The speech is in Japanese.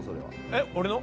えっ俺の？